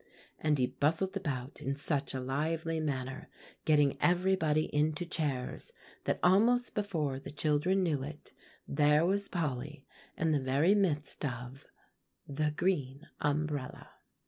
And he bustled about in such a lively manner, getting everybody into chairs, that almost before the children knew it, there was Polly in the very midst of THE GREEN UMBRELLA.